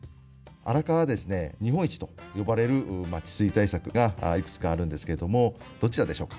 荒川は日本一と呼ばれる治水対策がいくつかあるんですがどちらでしょうか。